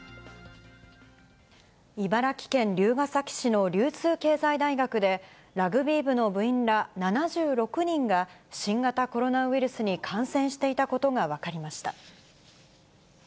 茨城県龍ケ崎市の流通経済大学で、ラグビー部の部員ら７６人が、新型コロナウイルスに感染していたことが分かりました。